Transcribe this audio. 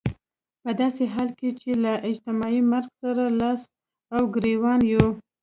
په داسې حال کې چې له اجتماعي مرګ سره لاس او ګرېوان يو.